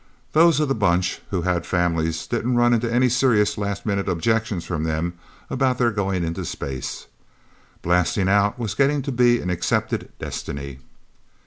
Those of the Bunch who had families didn't run into any serious last minute objections from them about their going into space. Blasting out was getting to be an accepted destiny.